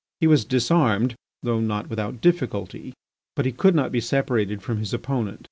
He was disarmed, though not without difficulty, but he could not be separated from his opponent.